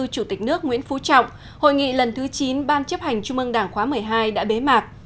chủ tịch nước nguyễn phú trọng hội nghị lần thứ chín ban chấp hành trung ương đảng khóa một mươi hai đã bế mạc